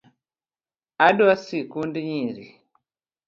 Adwa sikund nyiri